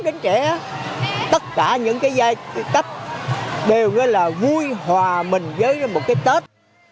đến trẻ tất cả những cái giai cấp đều là vui hòa mình với một cái tết